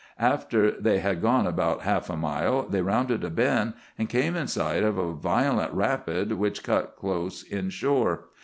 After they had gone about half a mile they rounded a bend and came in sight of a violent rapid which cut close inshore.